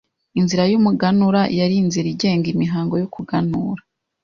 Inzira y’umuganura: yari inzira igenga imihango yo kuganura